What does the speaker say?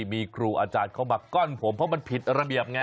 มีครูอาจารย์เข้ามาก้อนผมเพราะมันผิดระเบียบไง